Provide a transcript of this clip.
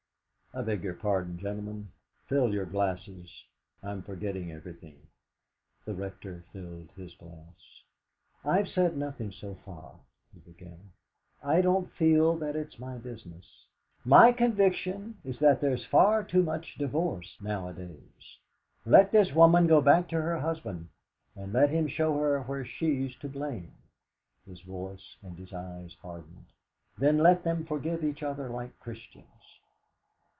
I beg your pardon, gentlemen; fill your glasses! I'm forgetting everything!" The Rector filled his glass. "I've said nothing so far," he began; "I don't feel that it's my business. My conviction is that there's far too much divorce nowadays. Let this woman go back to her husband, and let him show her where she's to blame" his voice and his eyes hardened "then let them forgive each other like Christians.